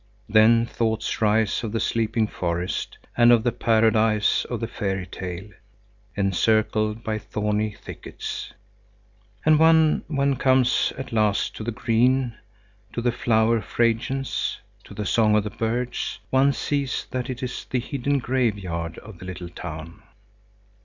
Then thoughts rise of the sleeping forest and of the paradise of the fairy tale, encircled by thorny thickets. And when one comes at last to the green, to the flower fragrance, to the song of the birds, one sees that it is the hidden graveyard of the little town.